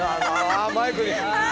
あマイクに。